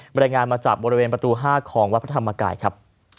บรรยายงานมาจากบริเวณประตู๕ของวัดพระธรรมกายครับ